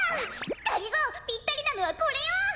がりぞーぴったりなのはこれよ。